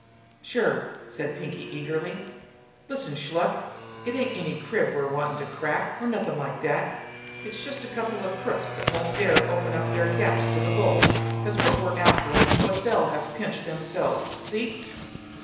"Sure!" said Pinkie eagerly. "Listen, Shluk! It ain't any crib we're wantin' to crack, or nothin' like that. It's just a couple of crooks that won't dare open their yaps to the bulls, 'cause what we're after 'll be what they'll have pinched themselves. See?"